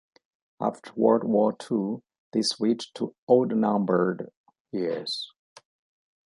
After World War Two they switched to odd-numbered years.